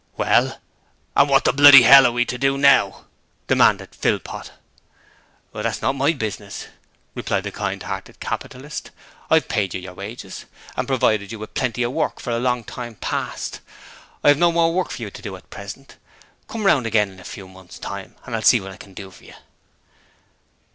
'Well, and wot the bloody 'ell are we to do now?' demanded Philpot. 'That's not my business,' replied the kind hearted capitalist. 'I've paid you your wages, and provided you with Plenty of Work for a long time past. I have no more work for you to do at present. Come round again in a few months' time and I'll see what I can do for you.'